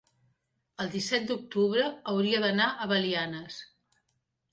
el disset d'octubre hauria d'anar a Belianes.